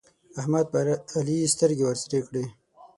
احمد پر علي سترګې ورسرې کړې.